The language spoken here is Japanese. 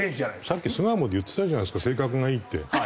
さっき巣鴨で言ってたじゃないですか「性格がいい」って。